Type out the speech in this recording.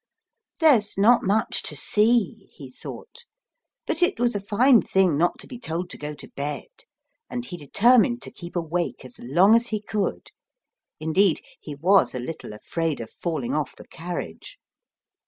"There's not much to see/' he thought, but it was a fine thing not to be told to go to bed, and he determined to keep awake as long as he could ; indeed he was a little afraid of falling off the carriage.